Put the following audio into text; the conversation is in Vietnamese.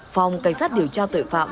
phòng cảnh sát điều tra tội phạm